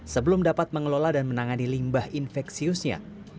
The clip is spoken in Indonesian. sebelum dapat mengelola dan menangani limbah infeksiusnya